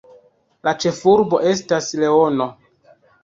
La ĉefurbo estas Leono.